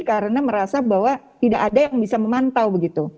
karena merasa bahwa tidak ada yang bisa memantau begitu